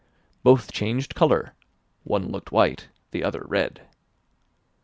Both changed colour, one looked white, the other red.